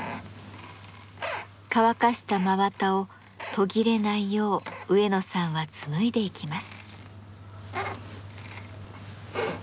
乾かした真綿を途切れないよう植野さんは紡いでいきます。